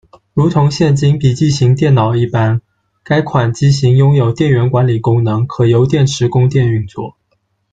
如同现今笔记型电脑一般，该款机型拥有电源管理功能，可由电池供电运作。